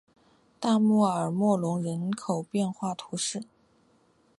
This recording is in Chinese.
大穆尔默隆人口变化图示